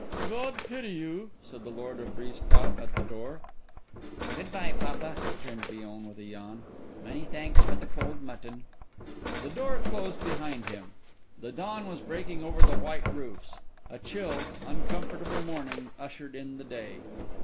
"God pity you," said the lord of Brisetout at the door. "Good bye, papa," returned Villon with a yawn. "Many thanks for the cold mutton." The door closed behind him. The dawn was breaking over the white roofs. A chill, uncomfortable morning ushered in the day.